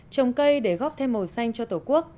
trồng cây để góp thêm màu xanh cho tổ quốc